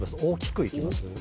大きくいきます？